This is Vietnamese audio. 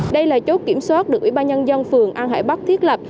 đây là chốt kiểm soát được ủy ban nhân dân phường an hải bắc thiết lập